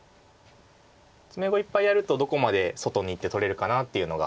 詰碁いっぱいやるとどこまで外にいって取れるかなっていうのが。